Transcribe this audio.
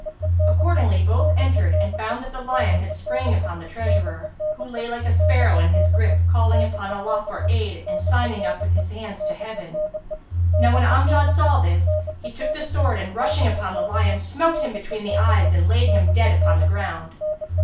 Accordingly both entered and found that the lion had sprang upon the treasurer, who lay like a sparrow in his grip, calling upon Allah for aid and signing with his hands to Heaven. Now when Amjad saw this, he took the sword and, rushing upon the lion, smote him between the eyes and laid him dead on the ground.